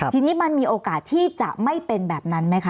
ทีนี้มันมีโอกาสที่จะไม่เป็นแบบนั้นไหมคะ